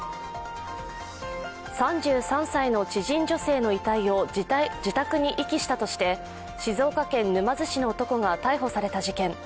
３３歳の知人女性の遺体を自宅に遺棄したとして静岡県沼津市の男が逮捕された事件。